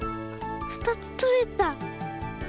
２つとれた！